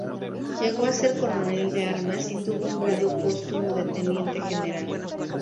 Llegó a ser Coronel de Armas, y tuvo un grado póstumo de Teniente General.